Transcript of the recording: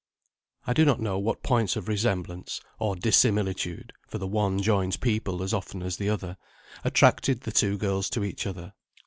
I do not know what points of resemblance (or dissimilitude, for the one joins people as often as the other) attracted the two girls to each other.